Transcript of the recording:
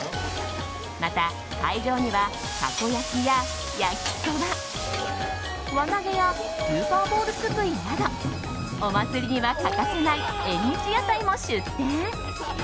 また、会場にはたこ焼きや焼きそば輪投げやスーパーボールすくいなどお祭りには欠かせない縁日屋台も出店。